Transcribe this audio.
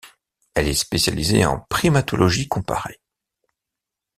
Elle est spécialisée en primatologie comparée.